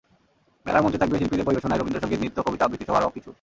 মেলার মঞ্চে থাকবে শিল্পীদের পরিবেশনায় রবীন্দ্রসংগীত, নৃত্য, কবিতা আবৃত্তিসহ আরও কিছু।